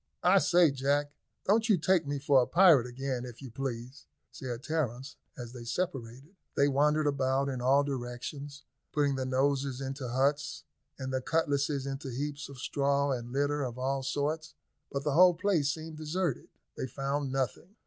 "I say, Jack, don't you take me for a pirate again, if you please," said Terence, as they separated. They wandered about in all directions, putting their noses into huts, and their cutlasses into heaps of straw and litter of all sorts; but the whole place seemed deserted. They found nothing.